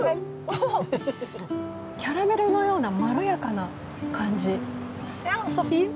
キャラメルのようなまろやかな感じ。